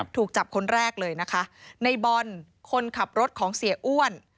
ถูกจับคนแรกเลยนะคะในบอลคนขับรถของเสียอ้วน